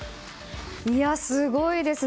すごいですね。